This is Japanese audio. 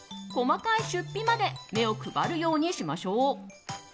細かい出費まで目を配るようにしましょう。